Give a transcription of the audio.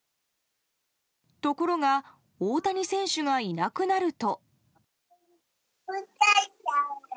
ところが大谷選手がいなくなると。